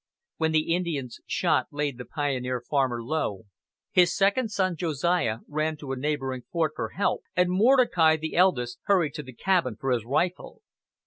When the Indian's shot laid the pioneer farmer low, his second son, Josiah, ran to a neighboring fort for help, and Mordecai, the eldest, hurried to the cabin for his rifle.